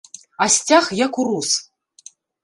А сцяг як урос.